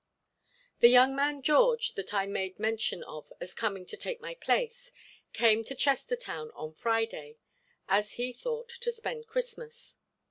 The young man George that I made mention of as coming to take my place, came to Chestertown on Friday, as he thought, to spend Christmas.